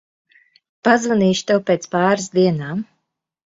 Pazvanīšu tev pēc pāris dienām.